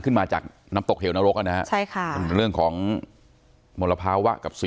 ซึ่งอาจจะเป็นการเสียงมากกว่านี้